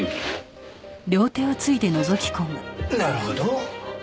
なるほど。